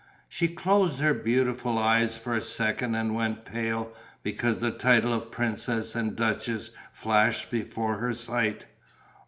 She closed her beautiful eyes for a second and went pale, because the title of princess and duchess flashed before her sight.